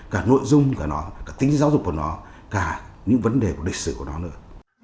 cả nội dung của nó cả tính giáo dục của nó cả những vấn đề của lịch sử của nó nữa